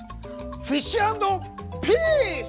フィッシュ＆ピース！